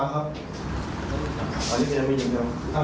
มือไหนมือไหน